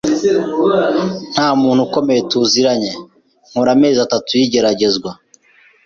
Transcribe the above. nta muntu ukomeye tuziranye, nkora amezi atatu y’igeragezwa